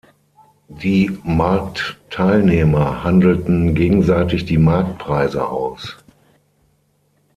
Die Marktteilnehmer handelten gegenseitig die Marktpreise aus.